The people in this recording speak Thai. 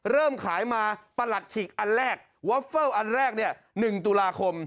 เริ่มขายมาประหลัดฉีกอันแรกวอฟเฟิลอันแรกเนี่ย๑ตุลาคม